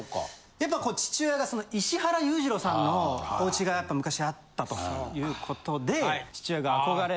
やっぱ父親が石原裕次郎さんのおうちが昔あったということで。